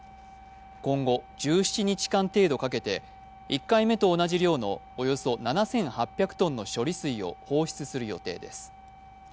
今後、１７日間程度かけて、１回目と同じ量のおよそ７８００ｔの処理水を放出する予定です。